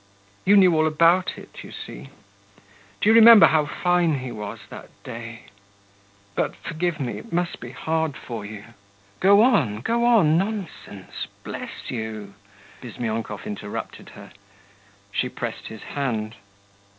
You knew all about it, you see. Do you remember how fine he was that day.... But forgive me; it must be hard for you....' 'Go on, go on! Nonsense! Bless you!' Bizmyonkov interrupted her. She pressed his hand.